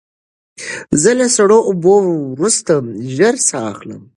زه له سړو اوبو وروسته ژر ساه اخلم.